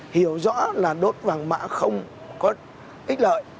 hiểu rõ là đốt vàng mã không có ích lợi